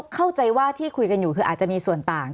เข้าใจว่าที่คุยกันอยู่คืออาจจะมีส่วนต่าง